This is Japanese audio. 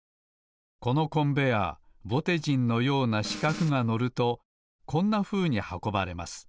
このコンベアーぼてじんのようなしかくがのるとこんなふうにはこばれます。